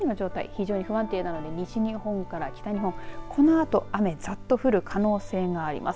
非常に不安定なので西日本から北日本、このあと雨ざっと降る可能性があります。